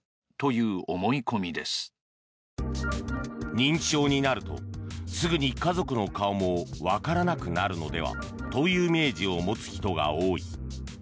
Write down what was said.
認知症になると、すぐに家族の顔も分からなくなるのではというイメージを持つ人が多い。